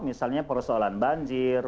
misalnya persoalan banjir